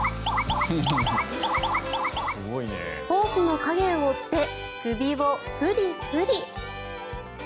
ホースの影を追って首をフリフリ。